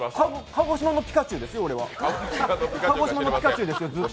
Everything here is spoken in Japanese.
鹿児島のピカチュウですよ、ずっと。